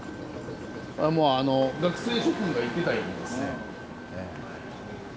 あの学生諸君が言ってたようにですね。